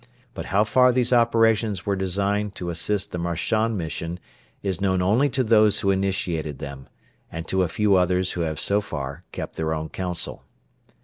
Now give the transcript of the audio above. But how far these operations were designed to assist the Marchand Mission is known only to those who initiated them, and to a few others who have so far kept their own counsel.